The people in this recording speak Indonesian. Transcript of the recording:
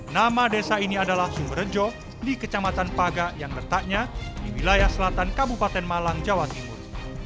nama desa ini adalah sumber rejo di kecamatan paga yang letaknya di wilayah selatan kabupaten malang jawa timur